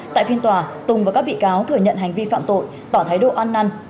tại phiên tòa tùng và các bị cáo thừa nhận hành vi phạm tội tỏ thái độ ăn năn